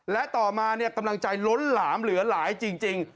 และต่อมากำลังใจล้นหลามเหลือหลายจริง